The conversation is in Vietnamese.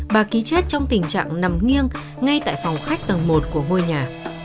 bà ký chết trong tình trạng nằm nghiêng ngay tại phòng khách tầng một của ngôi nhà